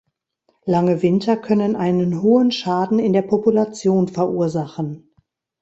Lange Winter können einen hohen Schaden in der Population verursachen.